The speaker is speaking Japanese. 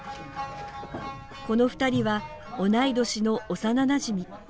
この２人は同い年の幼なじみ。